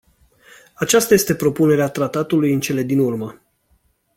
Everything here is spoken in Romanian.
Aceasta este propunerea tratatului în cele din urmă.